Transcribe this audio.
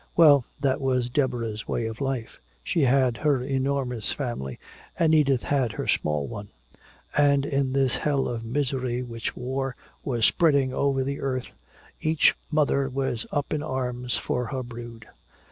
Well, that was Deborah's way of life. She had her enormous family and Edith had her small one, and in this hell of misery which war was spreading over the earth each mother was up in arms for her brood.